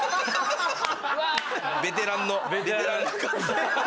ベテランの。